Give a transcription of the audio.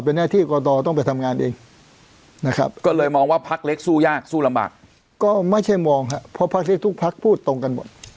ก็ไม่ใช่มองครับเพราะพักเล็กทุกพักพูดตรงกันหมด